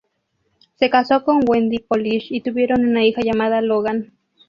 Se casó con Wendy Polish y tuvieron una hija llamada Logan.